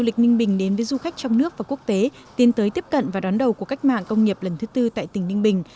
du lịch ninh bình đến với du khách trong nước và quốc tế tiến tới tiếp cận và đón đầu của cách mạng công nghiệp lần thứ tư tại tỉnh ninh bình